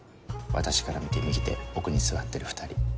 私から見て右手奥に座ってる２人。